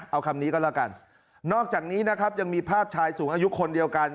เอาคำนี้ก็แล้วกันนอกจากนี้นะครับยังมีภาพชายสูงอายุคนเดียวกัน